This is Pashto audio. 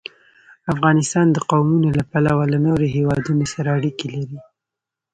افغانستان د قومونه له پلوه له نورو هېوادونو سره اړیکې لري.